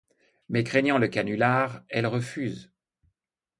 Mais craignant le canular, elle refuse.